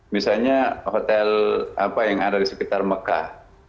misalnya hotel apa yang ada di sekitar mekah